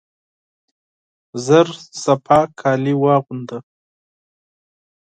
ژر پاکي جامې واغونده !